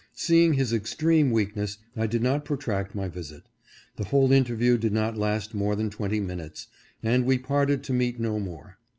Seeing his extreme weakness I did not protract my visit. The whole interview did not last more than twenty minutes, and we parted to meet no more.